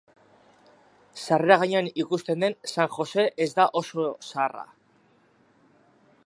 Sarrera gainean ikusten den San Jose ez da oso zaharra.